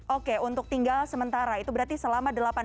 oke untuk tinggal sementara itu berarti selama delapan tahun